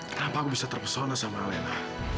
kenapa aku bisa terpesona sama alena